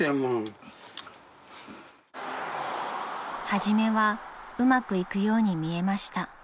［初めはうまくいくように見えました］